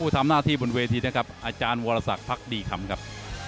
ทำหน้าที่บนเวทีนะครับอาจารย์วรสักพักดีคำครับ